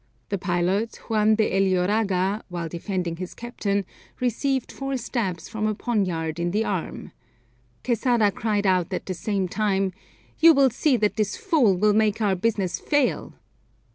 The pilot, Juan de Eliorraga, while defending his captain, received four stabs from a poniard in the arm. Quesada cried out at the same time, "You will see that this fool will make our business fail."